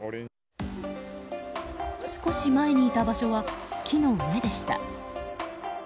少し前にいた場所は木の上でした。